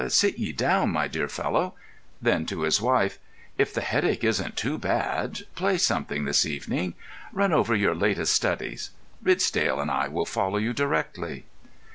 "Sit ye down, my dear fellow." Then to his wife: "If the headache isn't too bad, play something this evening. Run over your latest studies. Ridsdale and I will follow you directly."